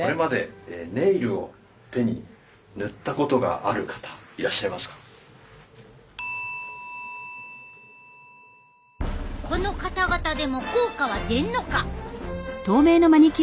これまでこの方々でも効果は出んのか？